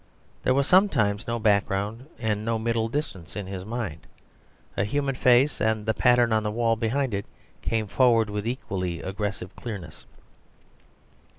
There was sometimes no background and no middle distance in his mind. A human face and the pattern on the wall behind it came forward with equally aggressive clearness.